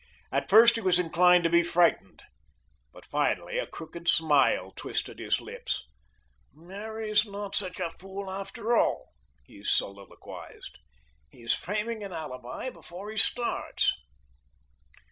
At first he was inclined to be frightened, but finally a crooked smile twisted his lips. "Murray's not such a fool, after all," he soliloquized. "He's framing an alibi before he starts."